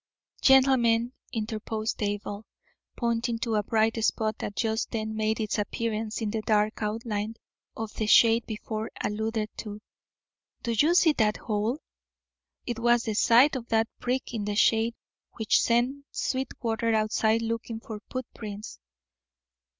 "Gentlemen," interposed Abel, pointing to a bright spot that just then made its appearance in the dark outline of the shade before alluded to, "do you see that hole? It was the sight of that prick in the shade which sent Sweetwater outside looking for footprints.